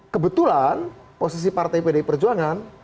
kebetulan posisi partai pdi perjuangan